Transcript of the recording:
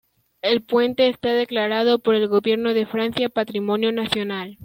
El puente está declarado por el gobierno de Francia patrimonio nacional.